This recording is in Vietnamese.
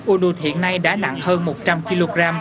unut hiện nay đã nặng hơn một trăm linh kg